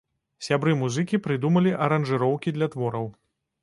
Сябры-музыкі прыдумалі аранжыроўкі для твораў.